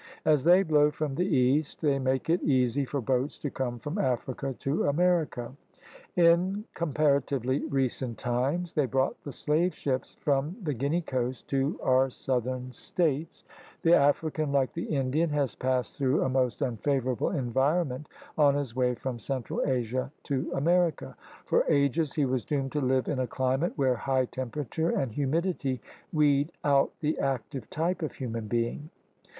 As they blow from the east, they make it easy for boats to come from Africa to America. In comparatively recent times they brought the slave ships from the Guinea coast to our Southern States. THE APPROACHES TO AMERICA 31 The African, like the Indian, has passed through a most unfavorable environment on his way from central Asia to America. For ages he was doomed to live in a climate where high temperature and humidity weed out the active type of human being.